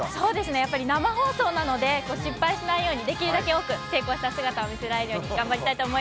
やっぱり生放送なので、失敗しないように、できるだけ多く成功した姿を見せられるように頑張りたいと思い